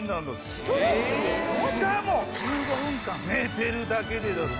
しかも１５分間寝てるだけでだぜ。